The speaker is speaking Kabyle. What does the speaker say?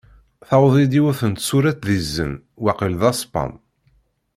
Tewweḍ-iyi-d yiwet n tsurett d izen, waqil d aspam.